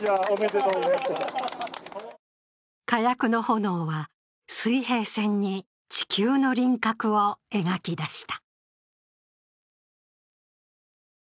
火薬の炎は水平線に地球の輪郭を描き出した。